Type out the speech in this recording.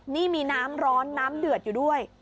นี่มีน้ำร้อนน้ำเดือดอยู่ด้วย